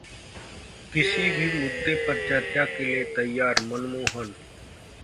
किसी भी मुद्दे पर चर्चा के लिए तैयार: मनमोहन